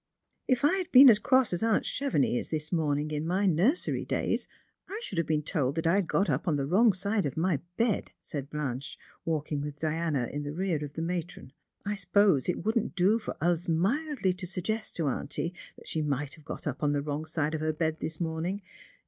" If I had been as cross as aunt Chevenix is this morning in my nursery days, I should have been told that I had got up on the wrong side of my bed," said Blanche, walking with Diana in the rear of the matron. " I suppose it wouldn't do for us mildly to suggest to auntie that she must have got up on the wrong side of her bed this morning.